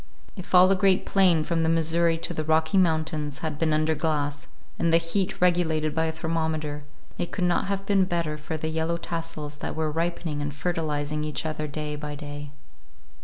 If all the great plain from the Missouri to the Rocky Mountains had been under glass, and the heat regulated by a thermometer, it could not have been better for the yellow tassels that were ripening and fertilizing each other day by day.